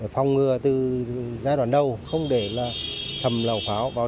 phòng ngừa từ giai đoạn đầu